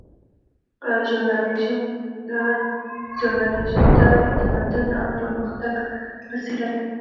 ژورنالیزم د تمدن او پرمختګ وسیله ده.